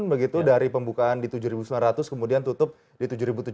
begitu dari pembukaan di tujuh sembilan ratus kemudian tutup di tujuh tujuh ratus